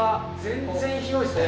全然広いっすね。